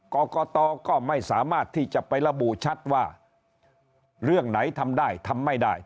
กรกตก็ไม่สามารถที่จะไประบุชัดว่าเรื่องไหนทำได้ทำไม่ได้